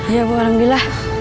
iya bu alhamdulillah